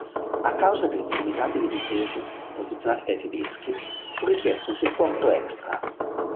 A causa delle formidabili difese posizionate dai tedeschi, fu richiesto un supporto extra.